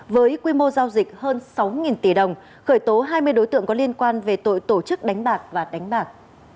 với quy mô giao dịch hơn sáu tỷ đồng khởi tố hai mươi đối tượng có liên quan về tội tổ chức đánh bạc và đánh bạc